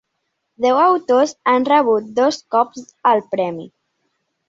Deu autors han rebut dos cops el premi.